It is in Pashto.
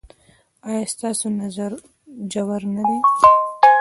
ایا ستاسو نظر ژور نه دی؟